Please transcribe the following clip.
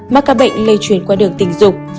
năm mắc ca bệnh lây chuyển qua đường tình dục